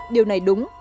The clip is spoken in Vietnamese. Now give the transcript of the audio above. điều này đúng